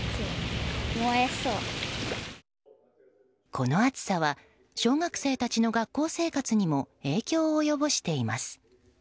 この暑さは小学生たちの学校生活にも影響を及ぼしています。